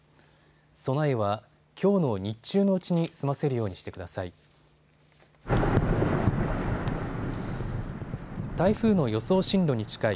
備えはきょうの日中のうちに済ませるようにしてください。